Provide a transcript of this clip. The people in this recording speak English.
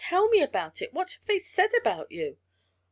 "Tell me about it. What have they said to you?"